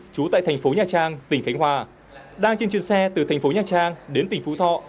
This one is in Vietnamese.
trú tại thành phố nhà trang tỉnh khánh hòa đang trên chuyến xe từ thành phố nhà trang đến tỉnh phú thọ